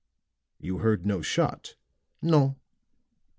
"You heard no shot?" "No."